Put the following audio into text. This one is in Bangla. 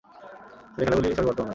ছেলেখেলাগুলি সবই বর্তমান আছে।